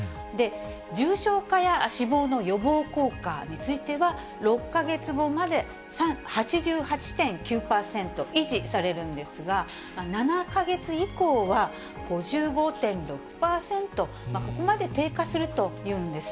重症化や死亡の予防効果については、６か月後まで８８．９％維持されるんですが、７か月以降は５５．６％、ここまで低下するというんです。